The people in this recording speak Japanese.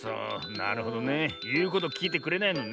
なるほどね。いうこときいてくれないのね。